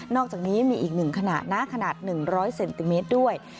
อกจากนี้มีอีก๑ขณะนะขนาด๑๐๐เซนติเมตรด้วย